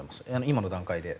今の段階で。